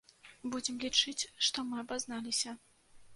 Будзем лічыць, што мы абазналіся.